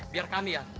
biar kami yang